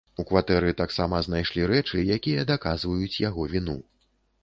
У кватэры таксама знайшлі рэчы, якія даказваюць яго віну.